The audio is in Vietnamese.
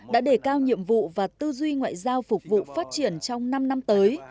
đã đề cao nhiệm vụ và tư duy ngoại giao phục vụ phát triển trong năm năm tới